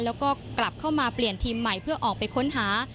แล้วก็กลับเข้ามาเปลี่ยนทีมใหม่เพื่อออกไปค้นหา